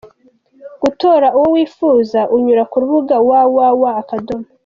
Gutora uwo wifuza, unyura ku rubuga www.